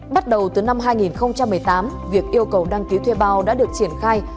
bắt đầu từ năm hai nghìn một mươi tám việc yêu cầu đăng ký thuê bao đã được triển khai